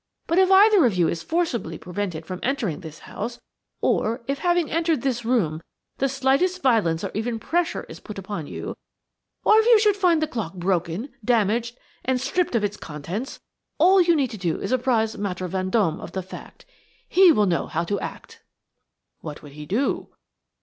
But if either of you is forcibly prevented from entering this house, or if, having entered this room, the slightest violence or even pressure is put upon you, or if you should find the clock broken, damaged and–stripped of its contents, all you need do is to apprise Maître Vendôme of the fact. He will know how to act." "What would he do?"